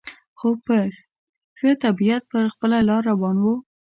خو په ښه طبیعت پر خپله لار روان و.